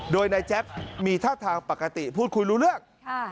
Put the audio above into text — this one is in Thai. โดยนายแจ๊บมีท่าทางปกติพูดคุยรู้เรื่อง